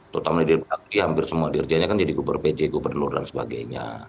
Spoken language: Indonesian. terutama dirjen dirjen hampir semua dirjennya kan jadi pj gubernur dan sebagainya